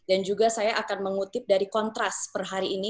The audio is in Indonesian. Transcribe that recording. dan juga saya akan mengutip dari kontras per hari ini